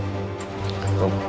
ini kalau betul